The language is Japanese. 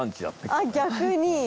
あっ逆に。